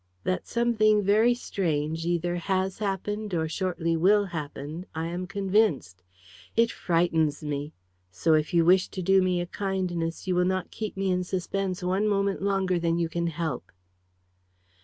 That something very strange either has happened, or shortly will happen, I am convinced. It frightens me! So, if you wish to do me a kindness, you will not keep me in suspense one moment longer than you can help."